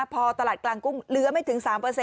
พอตลาดกลางกุ้งเหลือไม่ถึง๓